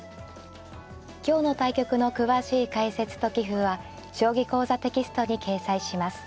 今日の対局の詳しい解説と棋譜は「将棋講座」テキストに掲載します。